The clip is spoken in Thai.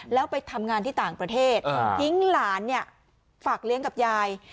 แล้วไปทำงานที่ต่างประเทศทิ้งหลานเนี่ยฝากเลี้ยงกับยาย